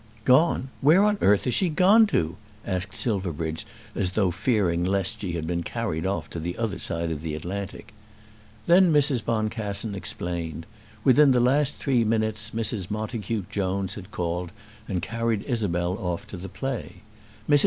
"Gone! Where on earth has she gone to?" asked Silverbridge, as though fearing lest she had been carried off to the other side of the Atlantic. Then Mrs. Boncassen explained. Within the last three minutes Mrs. Montacute Jones had called and carried Isabel off to the play. Mrs.